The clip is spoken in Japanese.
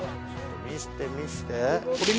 見せて見せて。